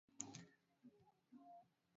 Uchumi wa wenyeji wa mkoa wa Kagera ulijikita